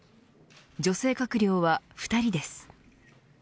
女性閣僚は２人です。